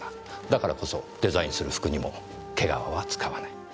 だからこそデザインする服にも毛皮は使わない。